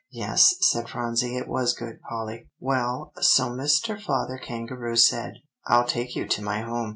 "Yes," said Phronsie, "it was good, Polly." "Well, so Mr. Father Kangaroo said, 'I'll take you to my home.